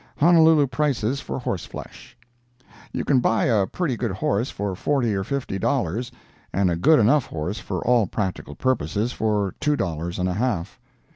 HONOLULU PRICES FOR HORSEFLESH You can buy a pretty good horse for forty or fifty dollars, and a good enough horse for all practical purposes for two dollars and a half.